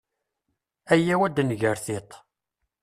Ayaw ad nger tiṭ.